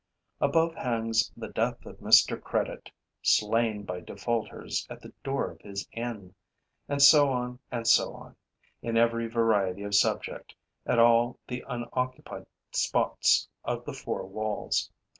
Above hangs The Death of Mr. Credit, slain by defaulters at the door of his inn; and so on and so on, in every variety of subject, at all the unoccupied spots of the four walls.